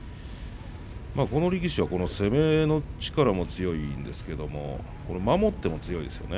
この力士は攻めの力も強いんですけれど守っても強いですよね。